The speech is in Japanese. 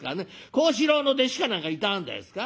幸四郎の弟子か何かいたんですか？」。